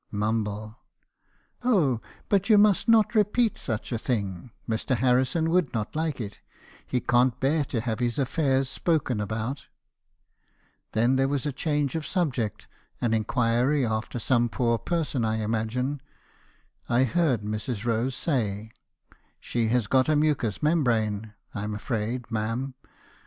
"Mumble. "' Oh, but you must not repeat such a thing. Mr. Harrison 294 me. haheison's confessions. would not like it. He can't bear to have his affairs spoken about.' "Then there was a change of subject; an inquiry after some poor person, I imagine ; I heard Mrs. Rose say —" 'She has got a mucous membrane, I'm afraid, ma'am.'